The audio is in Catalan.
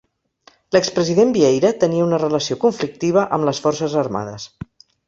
L'ex-President Vieira tenia una relació conflictiva amb les forces armades.